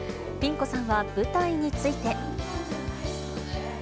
ピン子さんは、舞台について。